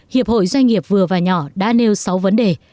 hiệp hội doanh nghiệp vừa và nhỏ đã nêu sáu vấn đề